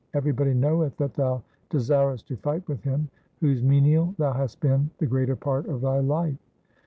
Everybody knoweth that thou desirest to fight with him whose menial thou hast been the greater part of thy life.'